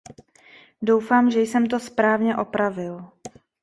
Doufám, že jsem to správně opravil.